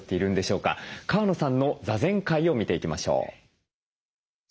川野さんの座禅会を見ていきましょう。